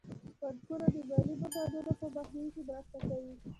بانکونه د مالي بحرانونو په مخنیوي کې مرسته کوي.